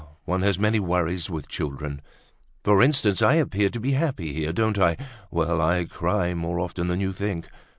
one has many worries with children! For instance, I appear to be happy here, don't I? Well! I cry more often than you think.